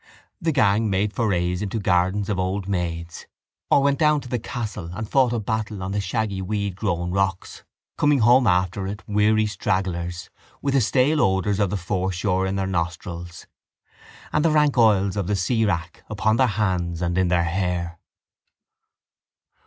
The gang made forays into the gardens of old maids or went down to the castle and fought a battle on the shaggy weedgrown rocks, coming home after it weary stragglers with the stale odours of the foreshore in their nostrils and the rank oils of the seawrack upon their hands and in their hair.